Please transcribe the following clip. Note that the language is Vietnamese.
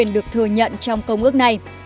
được thừa nhận trong công ước này